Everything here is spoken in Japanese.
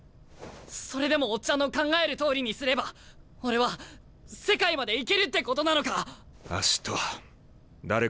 それでもオッチャンの考えるとおりにすれば俺は世界まで行けるってことなのか？